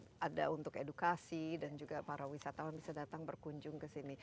ada untuk edukasi dan juga para wisatawan bisa datang berkunjung ke sini